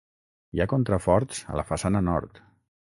Hi ha contraforts a la façana nord.